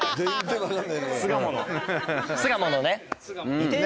巣鴨のね。